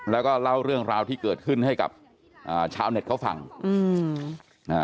แล้วก็เล่าเรื่องราวที่เกิดขึ้นให้กับอ่าชาวเน็ตเขาฟังอืมอ่า